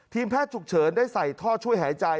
แพทย์ฉุกเฉินได้ใส่ท่อช่วยหายใจ